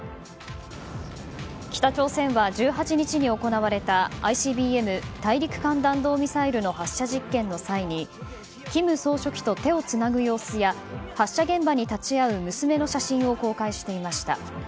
北朝鮮は１８日に行われたＩＣＢＭ・大陸間弾道ミサイルの発射実験の際に金総書記と手をつなぐ様子や発射現場に立ち会う娘の写真を公開していました。